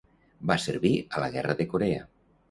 Va servir a la Guerra de Corea.